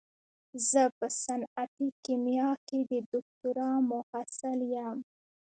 زه په صنعتي کيميا کې د دوکتورا محصل يم.